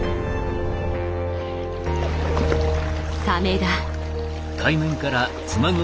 サメだ。